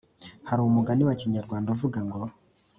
hari umugani wa kinyarwanda uvuga ngo